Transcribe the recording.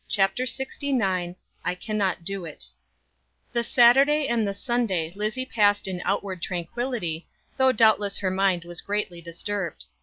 CHAPTER LXIX "I Cannot Do It" The Saturday and the Sunday Lizzie passed in outward tranquillity, though doubtless her mind was greatly disturbed.